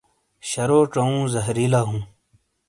شرو چاؤوں زہریلا ہوں ۔